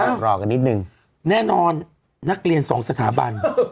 รอกันนิดนึงแน่นอนนักเรียนสองสถาบัน